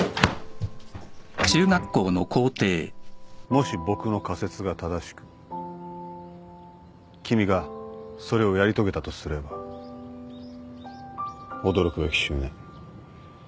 もし僕の仮説が正しく君がそれをやり遂げたとすれば驚くべき執念。